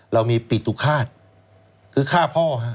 เรามีปิตุฆาตคือฆ่าพ่อ